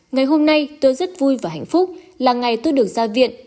ngày hôm nay tôi rất vui và hạnh phúc là ngày tôi được ra viện